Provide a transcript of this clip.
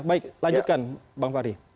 baik lanjutkan bang fahri